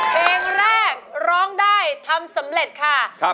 เพลงแรกร้องได้ทำสำเร็จค่ะ